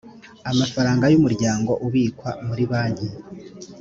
amafaranga y’umuryango abikwa muri banki